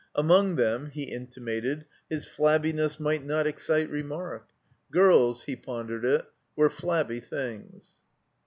Among them (he intimated) his iSabbiness might not excite xe mark. Girls (he pondered it) were flabby things.